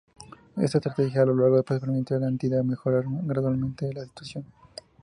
Esta estrategia a largo plazo permitió a la entidad mejorar gradualmente la situación.